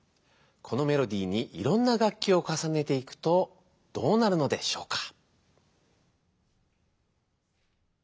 このメロディーにいろんな楽器をかさねていくとどうなるのでしょうか？